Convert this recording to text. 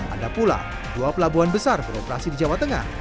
ada pula dua pelabuhan besar beroperasi di jawa tengah